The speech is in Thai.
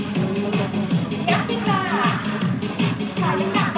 กดเร็วเล่นไว้ขนัดสำหรับ